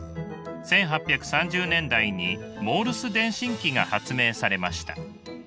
１８３０年代にモールス電信機が発明されました。